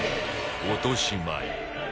落とし前